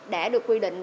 đã được quy định